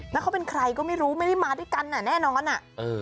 แล้วเขาเป็นใครก็ไม่รู้ไม่ได้มาด้วยกันอ่ะแน่นอนอ่ะเออ